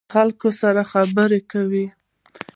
خلکو سره خبرې کوئ؟